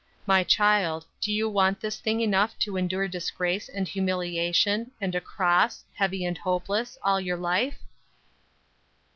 My child, do you want this thing enough to endure disgrace and humiliation, and a cross, heavy and hopeless, all your life?"